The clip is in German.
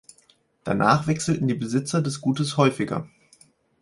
Danach wechselten die Besitzer des Gutes häufiger.